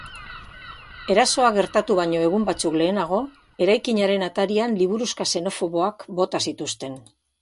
Erasoa gertatu baino egun batzuk lehenago, eraikinaren atarian liburuxka xenofoboak bota zituzten.